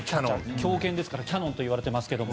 強肩ですからキヤノンといわれていますが。